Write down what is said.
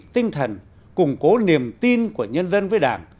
tinh thần củng cố niềm tin của nhân dân với đảng